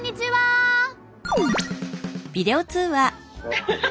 アハハハ！